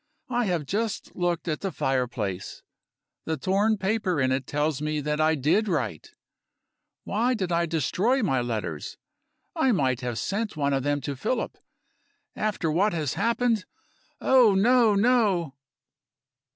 I have just looked at the fireplace. The torn paper in it tells me that I did write. Why did I destroy my letters? I might have sent one of them to Philip. After what has happened? Oh, no! no!